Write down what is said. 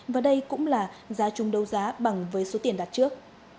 và đây cũng là giá chung đấu giá bằng với số tiền đặt trước